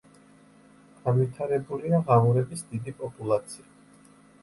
განვითარებულია ღამურების დიდი პოპულაცია.